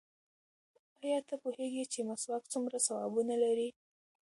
ایا ته پوهېږې چې مسواک څومره ثوابونه لري؟